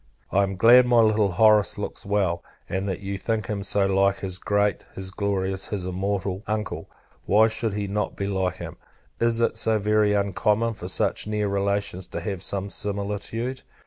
I am glad my little Horace looks so well; and that you think him so like his great, his glorious, his immortal Uncle. Why should he not be like him? Is it so very uncommon for such near relations to have some similitude?